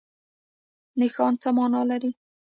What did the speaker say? نښان څه مانا لري؟